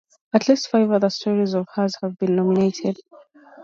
At least five other stories of hers have been nominated.